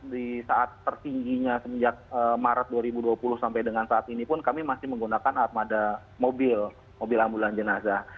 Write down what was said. di saat tertingginya semenjak maret dua ribu dua puluh sampai dengan saat ini pun kami masih menggunakan armada mobil mobil ambulan jenazah